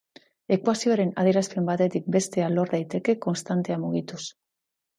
Ekuazioaren adierazpen batetik bestea lor daiteke konstantea mugituz.